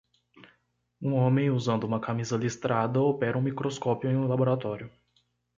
Um homem? usando uma camisa listrada? opera um microscópio em um laboratório.